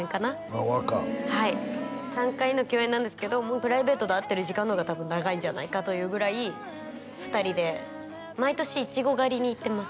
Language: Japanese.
あっ若はい３回目の共演なんですけどプライベートで会ってる時間の方が多分長いんじゃないかというぐらい２人で毎年イチゴ狩りに行ってます